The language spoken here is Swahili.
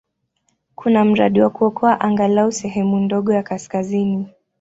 Kuna mradi wa kuokoa angalau sehemu ndogo ya kaskazini.